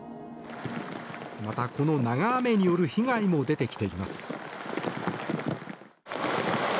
また、この長雨による被害も出てきています。